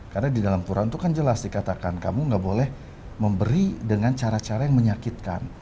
karena di dalam quran itu kan jelas dikatakan kamu tidak boleh memberi dengan cara cara yang menyakitkan